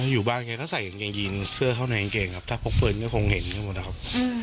อยู่บ้านแกก็ใส่กางเกงยีนเสื้อเข้าในกางเกงครับถ้าพกปืนก็คงเห็นกันหมดนะครับ